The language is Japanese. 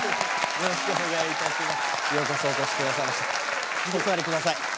よろしくお願いします。